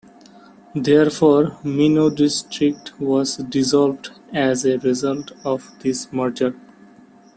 Therefore, Mino District was dissolved as a result of this merger.